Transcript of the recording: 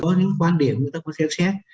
có những quan điểm chúng ta có xem xét